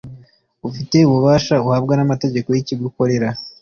ufite ububasha uhabwa n amategeko yikigo ukorera